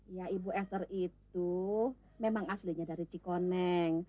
iya ibu eser itu memang aslinya dari cikoneng